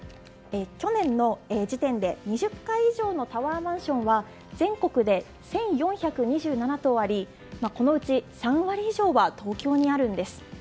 去年の時点で２０階以上のタワーマンションは全国で１４２７棟ありこのうち３割以上が東京にあるんです。